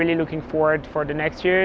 dan kami sangat menarik untuk tahun depan